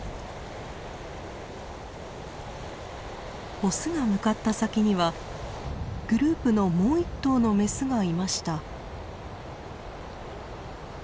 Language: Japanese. オスが向かった先にはグループのもう一頭のメスがいました。